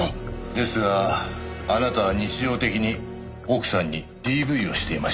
ですがあなたは日常的に奥さんにＤＶをしていましたよね？